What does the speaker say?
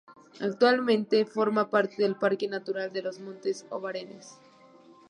Actualmente forma parte del Parque Natural de los Montes Obarenes.